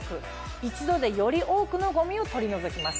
一度でより多くのゴミを取り除きます。